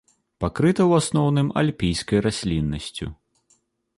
Пакрыта ў асноўным альпійскай расліннасцю.